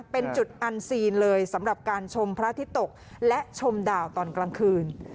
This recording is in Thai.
เป็นจุดอันซีนเลยสำหรับการชมพระอาทิตย์ตกและชมดาวตอนกลางคืน